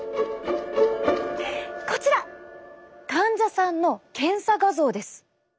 こちら患者さんの検査画像です。